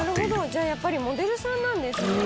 じゃあやっぱりモデルさんなんですね。